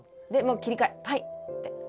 でもう切り替えはいって。